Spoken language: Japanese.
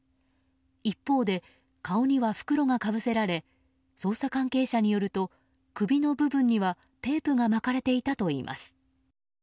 一方で、顔には袋がかぶせられ捜査関係者によると首の部分にはテープが巻かれていたといいます。